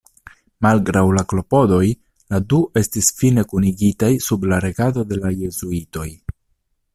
Malgraŭ la klopodoj, la du estis fine kunigitaj sub la regado de la jezuitoj.